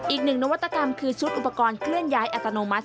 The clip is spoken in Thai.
อีกหนึ่งนวัตกรรมคือชุดอุปกรณ์เคลื่อนย้ายอัตโนมัติ